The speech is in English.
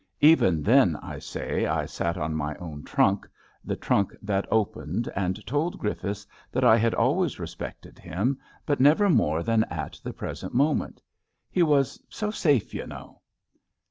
Even then, I say, I sat on my own trunk, the trunk that opened, and told Grif fiths that I had always respected him, but never more than at the present moment. He was so safe, y' know.